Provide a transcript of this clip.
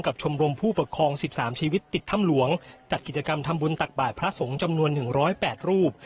คุณตักบ่ายพระสงฆ์จำนวน๑๐๘รูป